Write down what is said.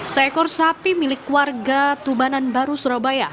seekor sapi milik warga tubanan baru surabaya